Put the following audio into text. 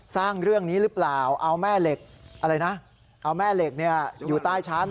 สร้างเรื่องนี้หรือเปล่าเอาแม่เหล็กอยู่ใต้ชั้น